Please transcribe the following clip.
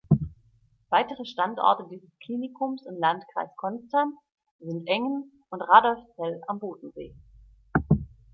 Weitere Standorte dieses Klinikums im Landkreis Konstanz sind Engen und Radolfzell am Bodensee.